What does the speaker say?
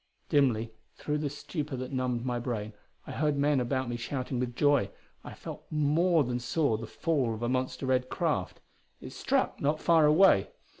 Dimly, through the stupor that numbed my brain, I heard men about me shouting with joy. I felt more than saw the fall of a monster red craft; it struck not far away.